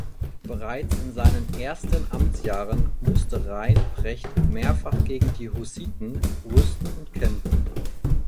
Bereits in seinen ersten Amtsjahren musste Reinprecht mehrfach gegen die Hussiten rüsten und kämpfen.